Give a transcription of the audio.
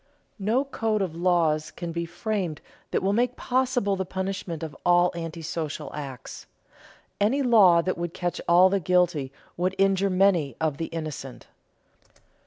No code of laws can be framed that will make possible the punishment of all antisocial acts. Any law that would catch all the guilty would injure many of the innocent.